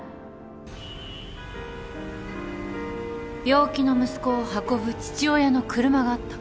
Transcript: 病気の息子を運ぶ父親の車があった。